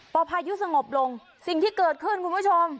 พอพายุสงบลงสิ่งที่เกิดขึ้นคุณผู้ชม